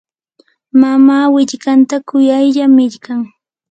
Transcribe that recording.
mamaa willkantan kuyaylla millqan.